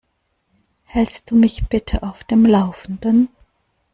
Hältst du mich bitte auf dem Laufenden?